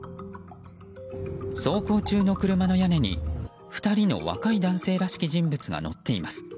走行中の車の屋根に２人の若い男性らしき人物が乗っています。